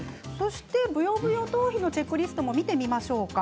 ブヨブヨ頭皮のチェックリストも見てみましょう。